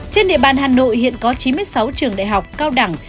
trên địa bàn hà nội hiện có chín mươi sáu trường đại học cao đẳng